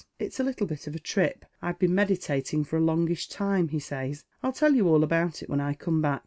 " It's a little bit of a trip I've been meditating for a longisli time," he says ;" 111 tell you all about it when I come back.